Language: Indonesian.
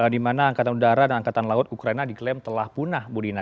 di mana angkatan udara dan angkatan laut ukraina diklaim telah punah budina